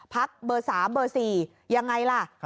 เบอร์๓เบอร์๔ยังไงล่ะ